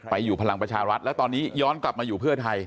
อยู่พลังประชารัฐแล้วตอนนี้ย้อนกลับมาอยู่เพื่อไทย